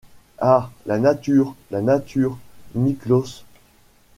Ah ! la nature, la nature, Niklausse !